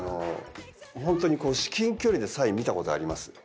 ホントに至近距離でサイ見たことあります？